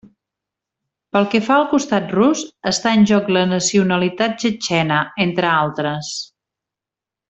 Pel que fa al costat rus, està en joc la nacionalitat txetxena, entre altres.